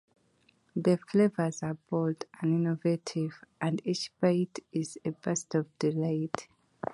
The flavors are bold and innovative, and each bite is a burst of delight.